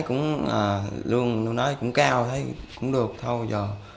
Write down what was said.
cưỡng bức lao động